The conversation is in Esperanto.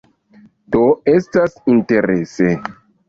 Do estas interese.